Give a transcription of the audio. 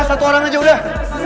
satu orang aja udah